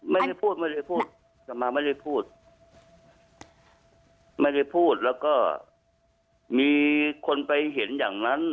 ไม่ได้พูดไม่ได้พูดแต่มาไม่ได้พูดไม่ได้พูดแล้วก็มีคนไปเห็นอย่างนั้น